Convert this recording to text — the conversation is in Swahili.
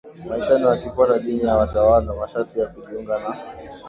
maishani wakifuata dini ya watawala Masharti ya kujiunga na